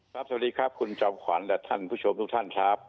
สวัสดีครับคุณจอมขวัญและท่านผู้ชมทุกท่านครับ